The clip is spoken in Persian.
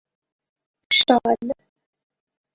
شال